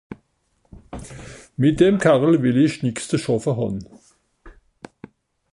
Mìt dem Kerl wìll ìch nìx ze schàffe hàn.